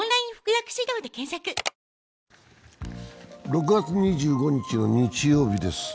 ６月２５日の日曜日です。